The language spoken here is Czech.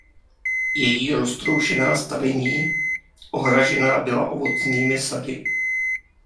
Její roztroušená stavení ohražená byla ovocnými sady.